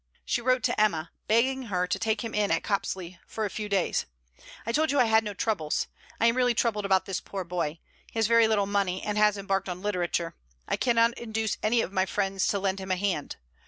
She wrote to Emma, begging her to take him in at Copsley for a few days: 'I told you I had no troubles. I am really troubled about this poor boy. He has very little money and has embarked on literature. I cannot induce any of my friends to lend him a hand.